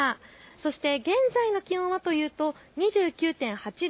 そして現在の気温はというと２９．８度。